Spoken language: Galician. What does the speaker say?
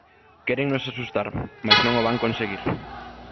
"Quérennos asustar mais non o van conseguir".